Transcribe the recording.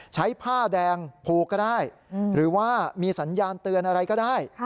ใช้ผ้าแดงผูกก็ได้หรือว่ามีสัญญาณเตือนอะไรก็ได้